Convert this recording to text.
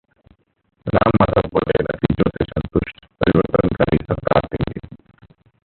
राम माधव बोले- नतीजों से संतुष्ट, परिवर्तनकारी सरकार देंगे